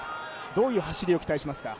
どういう走りを期待しますか？